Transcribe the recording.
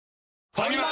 ファミマ！